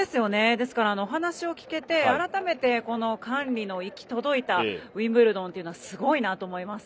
お話を聞けて、改めてこの管理の行き届いたウィンブルドンというのはすごいなと思います。